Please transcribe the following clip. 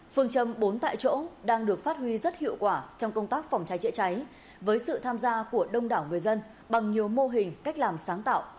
phương châm bốn tại chỗ đang được phát huy rất hiệu quả trong công tác phòng cháy chữa cháy với sự tham gia của đông đảo người dân bằng nhiều mô hình cách làm sáng tạo